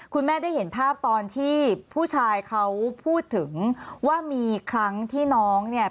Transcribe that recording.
คุณแม่ได้เห็นภาพตอนที่ผู้ชายเขาพูดถึงว่ามีครั้งที่น้องเนี่ย